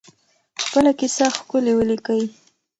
خپله کیسه ښکلې ولیکئ.